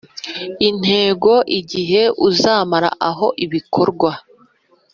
Intego igihe uzamara aho ibikorwa